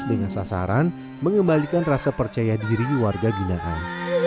dengan sasaran mengembalikan rasa percaya diri warga binaan